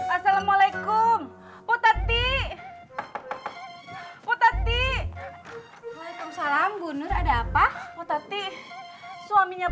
assalamualaikum potati potati salam bunuh ada apa potati suaminya